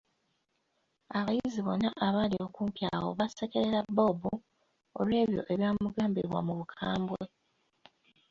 Abayizi bonna abaali okumpi awo baasekerera Bob, olw'ebyo ebyamugambibwa mu bukambwe.